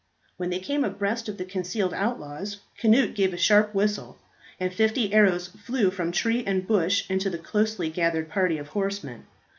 When they came abreast of the concealed outlaws, Cnut gave a sharp whistle, and fifty arrows flew from tree and bush into the closely gathered party of horsemen.